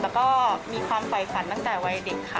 และก็มีความไฟฝันตั้งแต่ไว้เด็กค่ะ